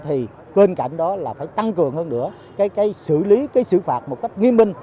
thì bên cạnh đó là phải tăng cường hơn nữa cái xử lý cái xử phạt một cách nghiêm minh